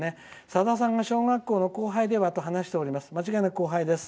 「さださんが小学校の後輩ではと話しております」。